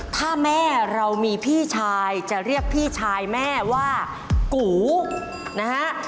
ถ้าแม่เรามีพี่ชายจะเรียกพี่ชายแม่ว่ากูนะฮะ